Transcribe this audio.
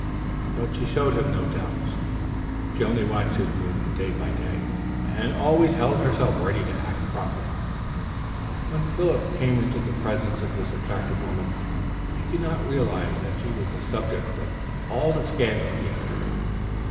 But she showed him no doubts. She only watched his movements day by day, and always held herself ready to act promptly. When Philip came into the presence of this attractive woman, he could not realize that she was the subject of all the scandal he had heard.